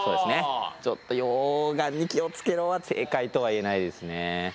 ちょっと溶岩に気を付けろは正解とは言えないですね。